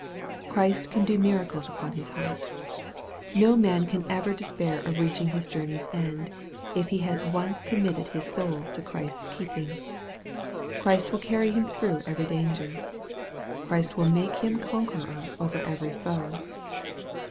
Christ can do miracles upon his heart. No man ever need de spair of reaching his journey's end, if he has once com mitted his soul to Christ's keeping. Christ will carry him through every danger. Christ will make him con queror over every foe.